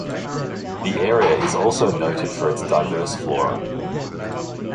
The area is also noted for its diverse flora.